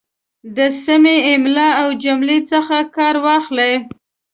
د سمې املا او جملې څخه کار واخلئ